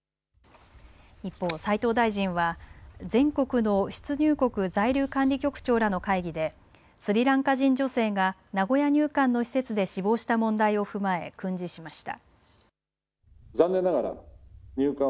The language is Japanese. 一方、齋藤大臣は全国の出入国在留管理局長らの会議でスリランカ人女性が名古屋入管の施設で死亡した問題を踏まえ訓示しました。